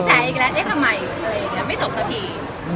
อีกแล้วเอ๊ะทำไมอะไรอย่างนี้ไม่ตกสักที